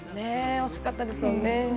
惜しかったですよね。